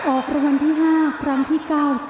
ออกรวมที่๕ครั้งที่๘๘